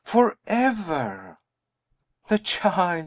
forever!" "The child!